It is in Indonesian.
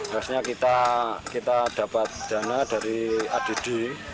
harusnya kita dapat dana dari add